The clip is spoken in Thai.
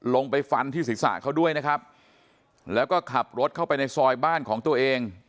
ลงไปฟันที่ศีรษะเขาด้วยนะครับแล้วก็ขับรถเข้าไปในซอยบ้านของตัวเอง